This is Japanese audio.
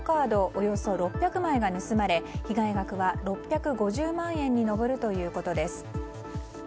およそ６００枚が盗まれ被害額は６５０万円に上るということです。